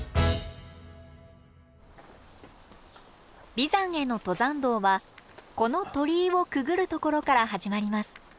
眉山への登山道はこの鳥居をくぐるところから始まります。